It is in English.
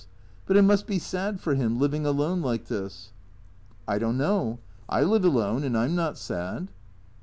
But it must be sad for him — living alone like this." " I don't know. I live alone and I 'm not sad."